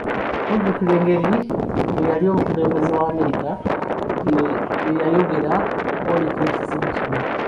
Mujjukira engeri eyali omukulembeze wa Amerika gye yayongera okwoleka ekizibu kino